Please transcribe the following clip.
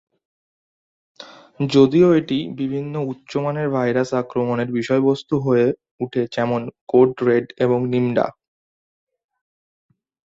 যদিও এটি বিভিন্ন উচ্চ মানের ভাইরাস আক্রমণের বিষয়বস্তু হয়ে উঠে যেমন কোড রেড এবং নিমডা।